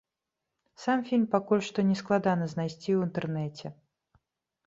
Сам фільм пакуль што не складана знайсці ў інтэрнэце.